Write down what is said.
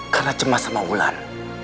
karena cemas sama wulan